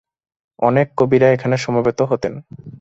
অনেক কবিরা এখানে সমবেত হতেন।